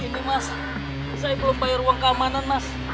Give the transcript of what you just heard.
ini mas saya belum bayar ruang keamanan mas